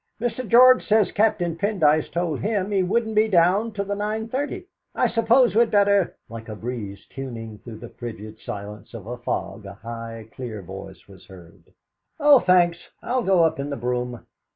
Mr. George says Captain Pendyce told him he wouldn't be down till the 9.30. I suppose we'd better " Like a breeze tuning through the frigid silence of a fog, a high, clear voice was heard: "Oh, thanks; I'll go up in the brougham."